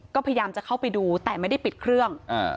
ก็พยายามจะเข้าไปดูแต่ไม่ได้ปิดเครื่อง